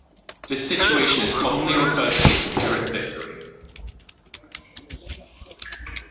This situation is commonly referred to as a Pyrrhic victory.